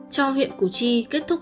cho huyện củ chi kết thúc